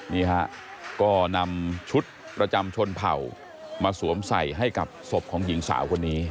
นี่ฮะก็นำชุดประจำชนเผ่ามาสวมใส่ให้กับศพของหญิงสาวคนนี้